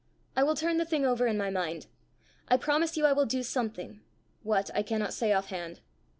I will turn the thing over in my mind. I promise you I will do something what, I cannot say offhand.